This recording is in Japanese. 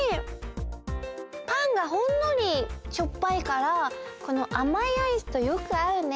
パンがほんのりしょっぱいからこのあまいアイスとよくあうね！